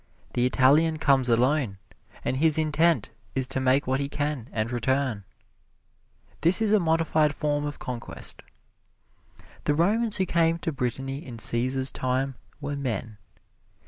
The Italian comes alone, and his intent is to make what he can and return. This is a modified form of conquest. The Romans who came to Brittany in Cæsar's time were men.